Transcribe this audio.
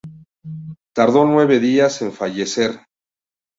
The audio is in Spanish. Tardó nueve días en fallecer.